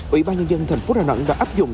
ủy ban nhân dân tp đà nẵng đã áp dụng